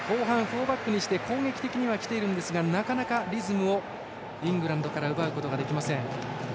フォーバックにして攻撃的には来ているんですがなかなかリズムをイングランドから奪えません。